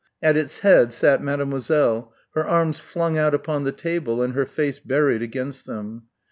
At its head sat Mademoiselle, her arms flung out upon the table and her face buried against them.